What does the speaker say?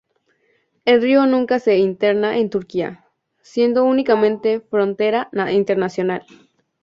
El río nunca se interna en Turquía, siendo únicamente frontera internacional.